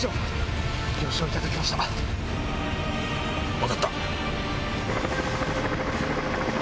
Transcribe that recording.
分かった。